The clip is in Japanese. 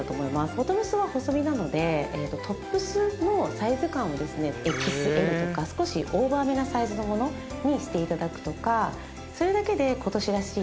ボトムスは細身なのでトップスのサイズ感をＸＬとか少しオーバーめなサイズのものにしていただくとか。